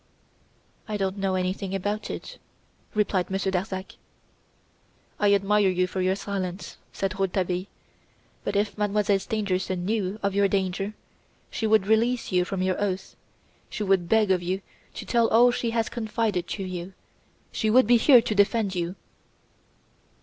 "I don't know anything about it," replied Monsieur Darzac. "I admire you for your silence," said Rouletabille, "but if Mademoiselle Stangerson knew of your danger, she would release you from your oath. She would beg of you to tell all she has confided to you. She would be here to defend you!"